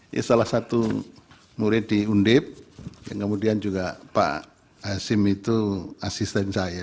ya salah satu murid di undip yang kemudian juga pak hasim itu asisten saya